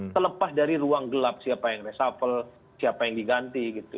selepas dari ruang gelap siapa yang reshuffle siapa yang diganti